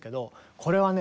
これはね